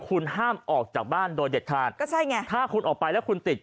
คุณห้ามออกจากบ้านโดยเด็ดขาดก็ใช่ไงถ้าคุณออกไปแล้วคุณติด